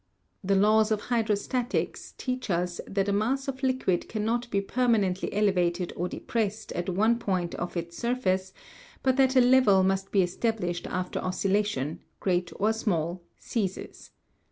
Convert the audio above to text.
The laws of hydrostatics teach us that a mass of liquid cannot be permanently elevated or depressed at one point of its surface, but that a level must be established after oscillation, great or small, ceases.